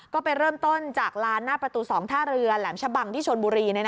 ก็ไปเริ่มต้นจากลานหน้าประตู๒ท่าเรือแหลมชะบังที่ชนบุรี